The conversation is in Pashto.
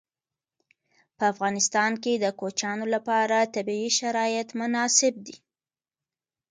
په افغانستان کې د کوچیانو لپاره طبیعي شرایط مناسب دي.